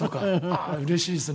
ああうれしいですね。